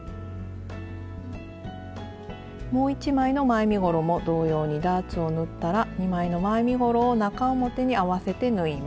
もう１枚の前身ごろも同様にダーツを縫ったら２枚の前身ごろを中表に合わせて縫います。